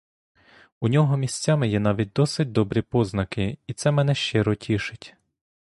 У нього місцями є навіть досить добрі познаки, і це мене щиро тішить.